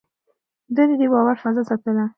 ده د باور فضا ساتله.